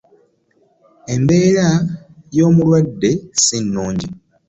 Embeera y'omulwadde si nungi.